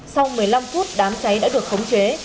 sau một mươi năm phút đám cháy đã được khống chế